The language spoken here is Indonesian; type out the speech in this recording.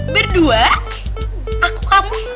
berdua aku kamu